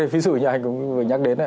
ví dụ như anh vừa nhắc đến